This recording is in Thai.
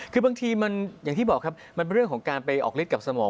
คือบางทีมันอย่างที่บอกครับมันเป็นเรื่องของการไปออกฤทธิ์กับสมอง